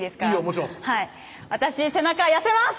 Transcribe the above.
もちろん私背中痩せます！